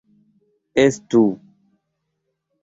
estu